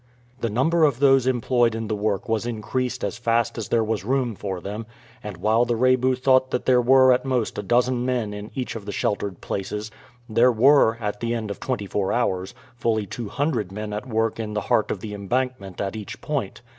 The number of those employed in the work was increased as fast as there was room for them; and while the Rebu thought that there were at most a dozen men in each of the sheltered places, there were, at the end of twenty four hours, fully two hundred men at work in the heart of the embankment at each point.